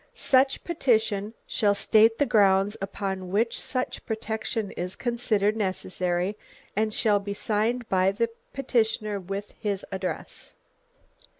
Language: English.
Such petition shall state the grounds upon which such protection is considered necessary, and shall be signed by the petitioner with his address.